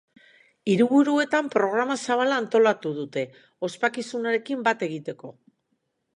Hiriburuetan programa zabala antolatu dute, ospakizunarekin bat egiteko.